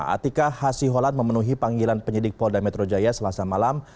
atika hasi holat memenuhi panggilan penyidik polda metro jaya selasa malam